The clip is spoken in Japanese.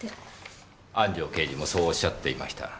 安城刑事もそう仰っていました。